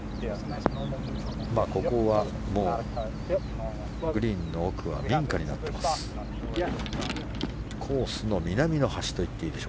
ここはもうグリーンの奥は民家になっています。